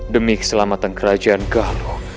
demi keselamatan kerajaan galuh